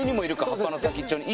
葉っぱの先っちょに。